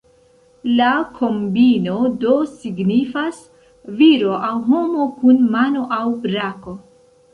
La kombino do signifas "Viro aŭ homo kun mano aŭ brako".